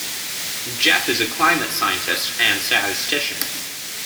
Jeff is a climate scientist and statistician.